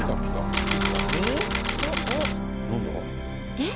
えっ？